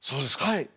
はい。